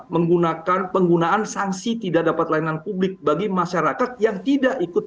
menggunakan penggunaan sehatan swasta